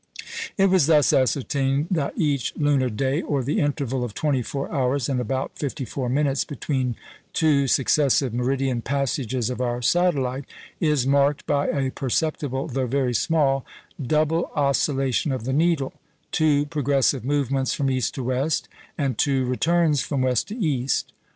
It was thus ascertained that each lunar day, or the interval of twenty four hours and about fifty four minutes between two successive meridian passages of our satellite, is marked by a perceptible, though very small, double oscillation of the needle two progressive movements from east to west, and two returns from west to east.